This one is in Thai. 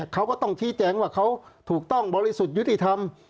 เขาก็ต้องชี้แจงว่าเขาถูกต้องบริสุทธิ์ยุติธรรม